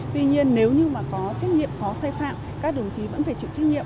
tuy nhiên nếu như mà có trách nhiệm có sai phạm các đồng chí vẫn phải chịu trách nhiệm